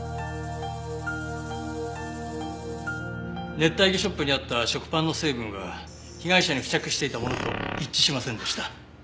熱帯魚ショップにあった食パンの成分は被害者に付着していたものと一致しませんでした。